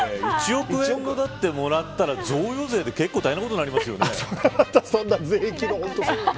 １億円のもらったら、贈与税で大変なことになりますよね。